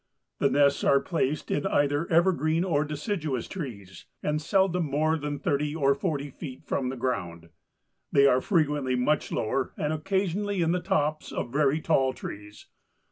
The nests are placed in either evergreen or deciduous trees, and seldom more than thirty or forty feet from the ground. They are frequently much lower and occasionally in the tops of very tall trees.